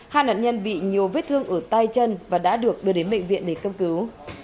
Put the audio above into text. hai nạn nhân bị nhiều vết thương ở tay chân và đã được đưa đến bệnh viện để cấp cứu